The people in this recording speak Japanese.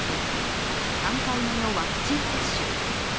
３回目のワクチン接種。